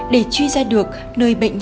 để truy ra được nơi bệnh nhân ở đó